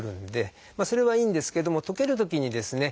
それはいいんですけども溶けるときにですね